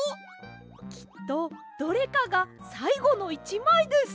きっとどれかがさいごの１まいです！